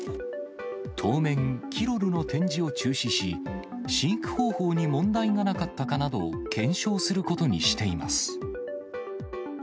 当面、キロルの展示を中止し、飼育方法に問題がなかったかなどを検証することにしています。